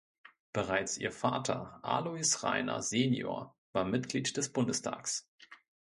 Bereits ihr Vater Alois Rainer senior war Mitglied des Bundestags.